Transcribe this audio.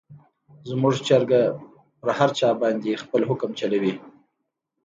زموږ چرګه په هر چا باندې خپل حکم چلوي.